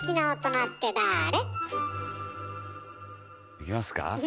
いきますか？